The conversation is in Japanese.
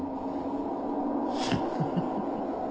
フフフフ。